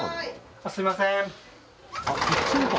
すみません。